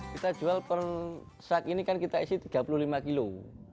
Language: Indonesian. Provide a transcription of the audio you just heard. kita jual per saat ini kan kita isi tiga puluh lima kilo